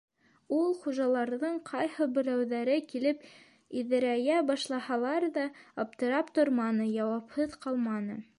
Ул, хужаларҙың ҡайһы берәүҙәре килеп иҙерәйә башлаһалар ҙа, аптырап торманы, яуапһыҙ ҡалманы.